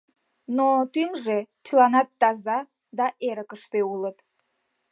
Но тӱҥжӧ — чыланат таза да эрыкыште улыт.